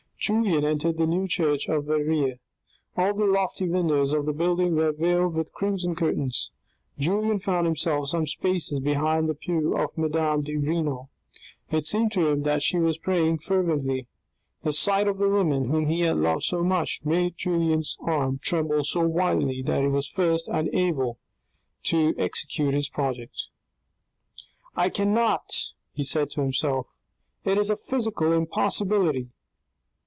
Julien entered the new church of Verrieres. All the lofty windows of the building were veiled with crimson curtains. Julien found himself some spaces behind the pew of madame de Renal. It seemed to him that she was praying fervently The sight of the woman whom he had loved so much made Julien's arm tremble so violently that he was at first unable to 464 THE RED AND THE BLACK execute his project. " I cannot," he said to himself. " It is a physical impossibility."